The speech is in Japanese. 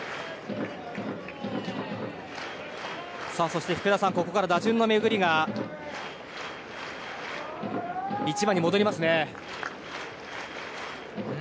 そしてここから打順の巡りが１番に戻りますね。